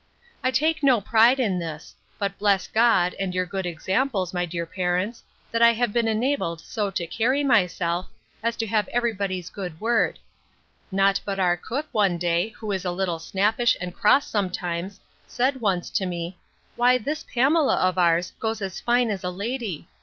I take no pride in this; but bless God, and your good examples, my dear parents, that I have been enabled so to carry myself, as to have every body's good word; Not but our cook one day, who is a little snappish and cross sometimes, said once to me, Why this Pamela of ours goes as fine as a lady.